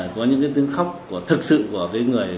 có những tiếng khóc thực sự của người